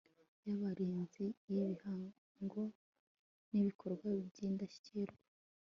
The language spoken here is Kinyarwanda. y Abarinzi b Igihango n ibikorwa by indashyikirwa